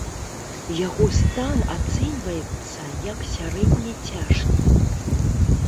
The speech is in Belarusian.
Яго стан ацэньваецца як сярэдне цяжкі.